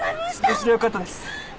無事でよかったです。